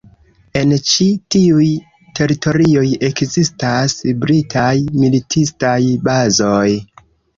En ĉi tiuj teritorioj ekzistas britaj militistaj bazoj.